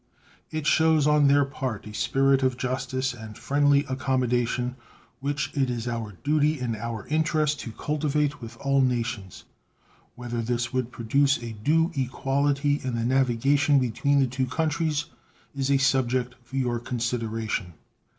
It shows on their part a spirit of justice and friendly accommodation which it is our duty and our interest to cultivate with all nations. Whether this would produce a due equality in the navigation between the two countries is a subject for your consideration.